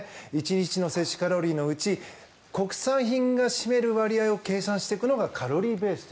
１日の摂取カロリーベースでは国産品が占める割合を計算するのがカロリーベース。